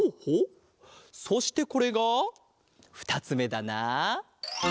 そしてこれがふたつめだな。